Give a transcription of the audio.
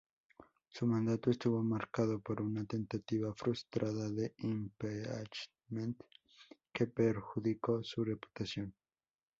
Su mandato estuvo marcado por una tentativa frustrada de impeachment, que perjudicó su reputación.